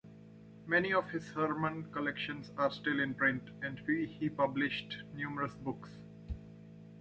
Many of his sermon collections are still in print, and he published numerous books.